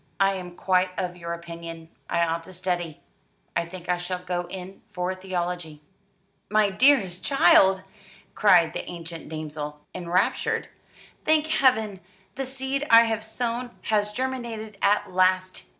"I am quite of your opinion: I ought to study. I think I shall go in for theology." "My dearest child!" cried the ancient damsel, enraptured. "Thank Heaven! the seed I have sown has germinated at last.